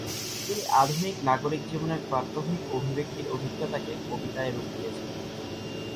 তিনি আধুনিক নাগরিক জীবনের প্রাত্যহিক অভিব্যক্তির অভিজ্ঞতাকে কবিতায় রূপ দিয়েছেন।